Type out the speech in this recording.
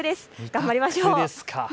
頑張りましょう。